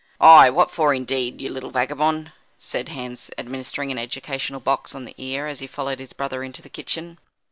"Ay! what for, indeed, you little vagabond?" said Hans, administering an educational box on the ear, as he followed his brother into the kitchen.